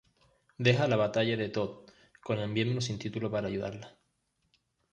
Deja la batalla de Todd con el miembro sin título para ayudarla.